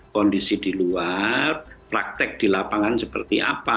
kondisi di luar praktek di lapangan seperti apa